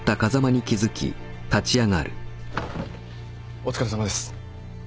お疲れさまです。